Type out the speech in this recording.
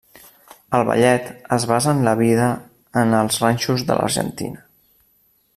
El ballet es basa en la vida en els ranxos de l'Argentina.